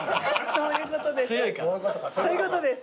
そういうことです。